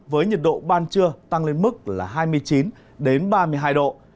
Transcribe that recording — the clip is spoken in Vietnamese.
với nhiệt độ ban trưa tăng lên mức là hai mươi chín ba mươi hai độ